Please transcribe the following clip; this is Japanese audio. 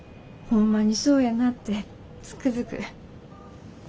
ホンマにそうやなってつくづく。